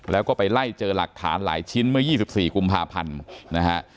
แล้วก็ไปไล่เจอหลักฐานหลายชิ้นเมื่อ๒๔กุมภาพันธ์นะฮะ